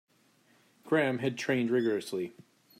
Graham had trained rigourously.